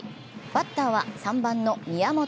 バッターは３番の宮本。